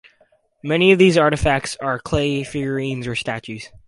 Many of these artefacts are clay figurines or statues.